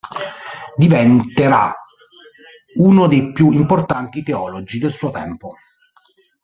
Diventerà uno dei più importanti teologi del suo tempo.